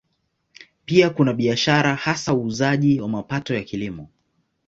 Pia kuna biashara, hasa uuzaji wa mapato ya Kilimo.